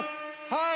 はい！